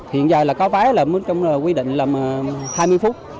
hiện giờ là có váy là trong quy định là hai mươi phút